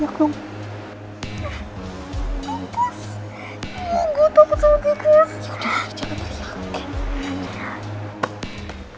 ya udah jangan teriak